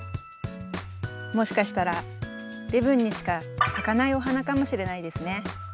もしかしたら礼文にしか咲かないお花かもしれないですね。